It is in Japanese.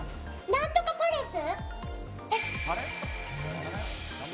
何とかパレス。